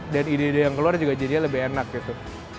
dan ide ide yang keluar juga jadinya lebih enak gitu